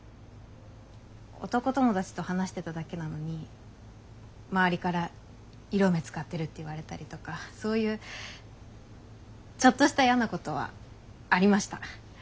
男友達と話してただけなのに周りから「色目使ってる」って言われたりとかそういうちょっとした嫌なことはありました。